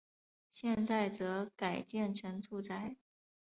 现在则改建成住宅。